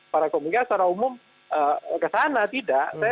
para komika secara umum ke sana tidak